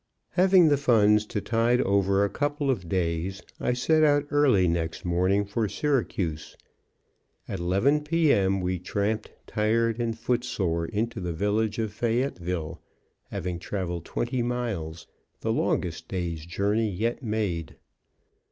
_ Having the funds to tide over a couple of days, I set out early next morning for Syracuse. At 11:00 P. M. we tramped tired and foot sore into the village of Fayetteville, having traveled twenty miles, the longest day's journey yet made.